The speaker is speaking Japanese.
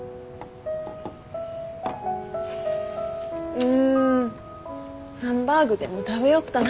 うんハンバーグでも食べよっかな。